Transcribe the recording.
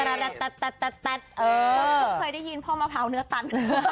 แล้วลุงเคยได้ยินพ่อมะพร้าวเนื้อตัน